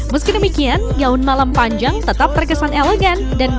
meski demikian gaun malam panjang tetap terkesan elegan